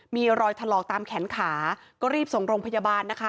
มีรอยถลอกตามแขนขาก็รีบส่งโรงพยาบาลนะคะ